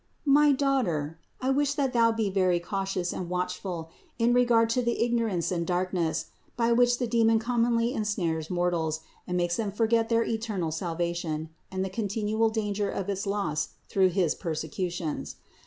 331. My daughter, I wish that thou be very cautious and watchful in regard to the ignorance and darkness, by which the demon commonly ensnares mortals and makes them forget their eternal salvation and the con tinual danger of its loss through his persecutions.